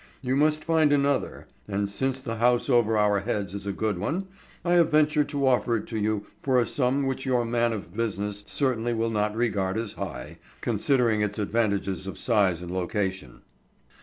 You must find another; and since the house over our heads is a good one, I have ventured to offer it to you for a sum which your man of business certainly will not regard as high, considering its advantages of size and location."